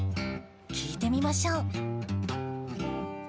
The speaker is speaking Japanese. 聞いてみましょう。